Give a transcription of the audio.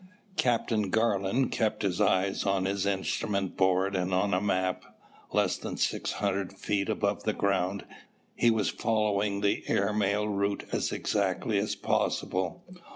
Captain Garland kept his eyes on his instrument board and on a map. Less than six hundred feet above the ground, he was following the air mail route as exactly as possible.